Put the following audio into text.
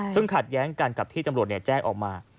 ซึ่งขัดแย้งกันกับที่ตำรวจแจ้งออกมา